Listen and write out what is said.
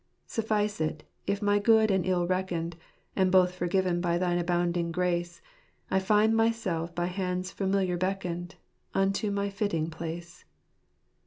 ■' Suffice it, if my good and ill unreckoned. And both forgiven by Thine abounding grace, I find myself by hands familiar beckoned, Unto my fitting place."